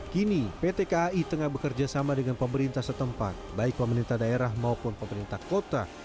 kini pt kai tengah bekerja sama dengan pemerintah setempat baik pemerintah daerah maupun pemerintah kota